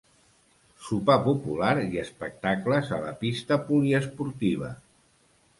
Sopar popular i espectacles a la Pista Poliesportiva.